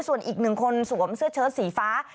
ส่วนอีกหนึ่งคนสวมเสื้อเชิดสีฟ้า